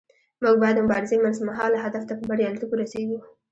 موږ باید د مبارزې منځمهاله هدف ته په بریالیتوب ورسیږو.